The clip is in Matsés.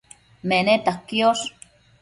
Meneta quiosh